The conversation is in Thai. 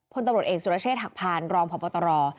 พอศุรเชษฐหักพันธ์รองส์พบตร